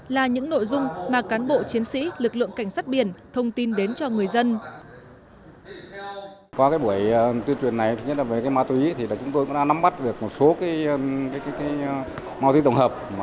là những nội dung mà cán bộ chiến sĩ lực lượng cảnh sát biển thông tin đến cho người dân